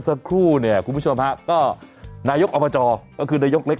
สักครู่เนี่ยคุณผู้ชมฮะก็นายกอบจก็คือนายกเล็ก